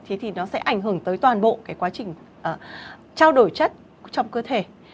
thì nó sẽ ảnh hưởng tới toàn bộ cái quá trình trao đổi chất trong cơ thể